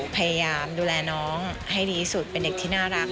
พยายามดูแลน้องให้ดีที่สุดเป็นเด็กที่น่ารัก